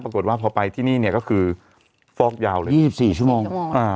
ปรากฏว่าพอไปที่นี่เนี่ยก็คือฟอกยาวเลย๒๔ชั่วโมงอ่า